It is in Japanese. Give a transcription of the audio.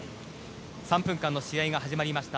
３分間の試合が始まりました。